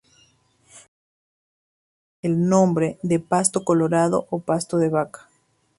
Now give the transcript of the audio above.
Comúnmente recibe el nombre de "pasto colorado" o "pasto de vaca".